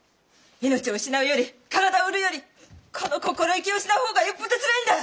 命を失うより体を売るよりこの心意気を失う方がよっぽどつらいんだ！